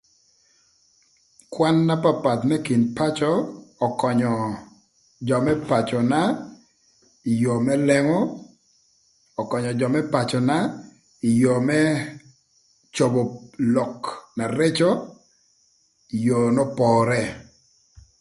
Kwan na papath më kin pacö ökönyö jö më pacöna ï yoo më lengo ökönyö jö më pacöna ï yoo më cobo lök na rëcö kï yoo n'opore.